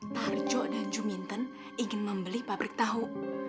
tarjo dan juminten ingin membeli pabrik tahu